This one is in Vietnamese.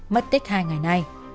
mất tích hai ngày nay